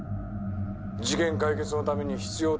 「事件解決のために必要とあれば」